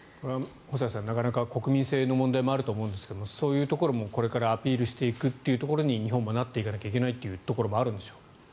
細谷さん、なかなか国民性の問題もあると思いますがそういうところもこれからアピールしていくところに日本もなっていかないといけないところもあるんでしょうか。